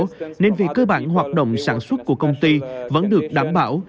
mô hình ba tại chỗ nên vì cơ bản hoạt động sản xuất của công ty vẫn được đảm bảo